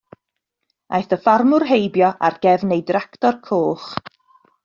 Aeth y ffarmwr heibio ar gefn ei dractor coch.